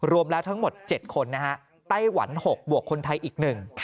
รวมแล้วทั้งหมด๗คนนะฮะไต้หวัน๖บวกคนไทยอีกหนึ่ง